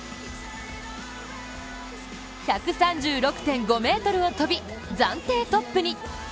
１３６．５ｍを飛び、暫定トップに。